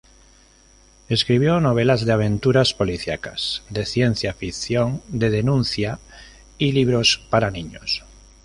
Escribió novelas de aventuras, policíacas, de ciencia ficción, de denuncia y libros para niños.